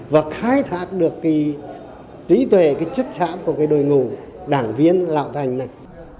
và khai thác được cái trí tuệ cái chất sáng của cái đội ngũ đảng viên lão thành này